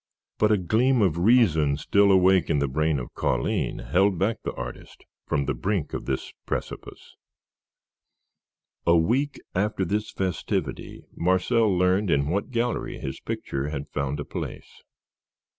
But a gleam of reason still awake in the brain of Colline held back the artist from the brink of this precipice. A week after this festivity Marcel learned in what gallery his picture had found a place.